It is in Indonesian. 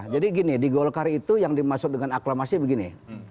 jadi gini di golkar itu yang dimasukin dengan aklamasi begini